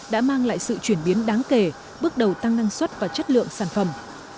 đã mang lại sự chuyển biến đáng kể bước đầu tăng năng suất và chất lượng sản phẩm